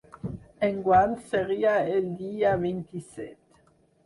Enguany seria el dia vint-i-set.